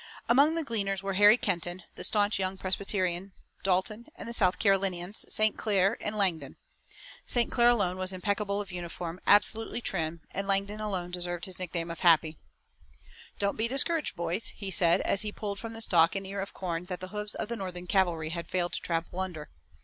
Among the gleaners were Harry Kenton, the staunch young Presbyterian, Dalton, and the South Carolinians, St. Clair and Langdon. St. Clair alone was impeccable of uniform, absolutely trim, and Langdon alone deserved his nickname of Happy. "Don't be discouraged, boys," he said as he pulled from the stalk an ear of corn that the hoofs of the Northern cavalry had failed to trample under.